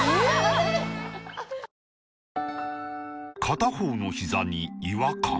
片方のひざに違和感